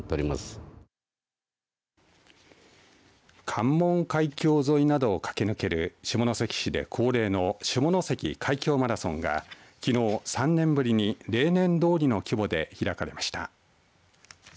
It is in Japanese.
関門海峡沿いなどを駆け抜ける下関市で恒例の下関海響マラソンがきのう３年ぶりに例年通りの規模で開かれました。